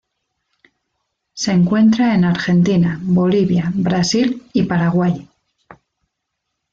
Se encuentra en Argentina, Bolivia, Brasil y Paraguay.